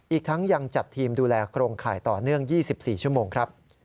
อีกทั้งยังจัดทีมดูแลโครงข่ายต่อเนื่อง๒๔ชั่วโมงครับ